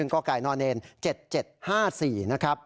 ๑กไก่นอนเนน๗๗๕๔นะครับ